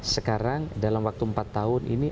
sekarang dalam waktu empat tahun ini